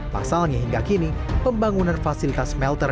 pasalnya hingga kini pembangunan fasilitas smelter